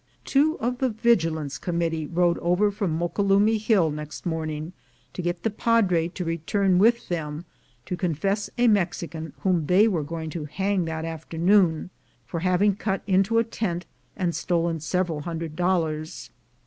Two of the Vigilance Committee rode over from Moquelumne Hill next morning, to get the Padre to return with them to confess a Mexican whom they were going to hang that afternoon, for having cut into a tent and stolen several hundred dollars.